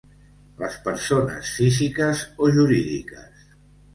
Les persones físiques o jurídiques.